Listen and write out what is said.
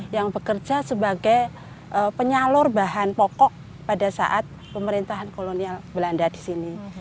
yang bekerja sebagai penyalur bahan pokok pada saat pemerintahan kolonial belanda di sini